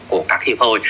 của các hiệp hội